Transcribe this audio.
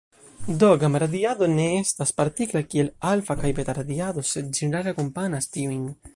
Do, gama-radiado ne estas partikla kiel alfa- kaj beta-radiado, sed ĝenerale akompanas tiujn.